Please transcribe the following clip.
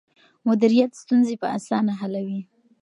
مديريت ستونزې په اسانه حلوي.